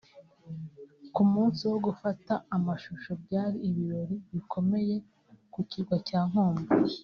Ku munsi wo gufata amashusho byari ibirori bikomeye ku kirwa cya Nkombo